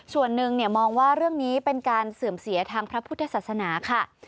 ส่วนหนึ่งมองว่าเรื่องนี้เป็นการเสื่อมเสียทางพระพุทธศาสนาค่ะ